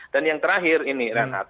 dan yang terakhir ini renat